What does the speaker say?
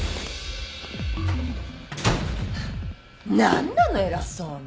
何なの偉そうに！